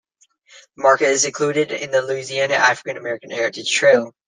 The market is included on the Louisiana African American Heritage Trail.